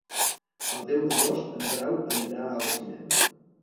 El deu d'agost en Grau anirà al cinema.